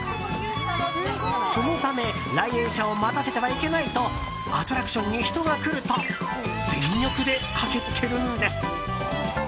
そのため来園者を待たせてはいけないとアトラクションに人が来ると全力で駆けつけるんです。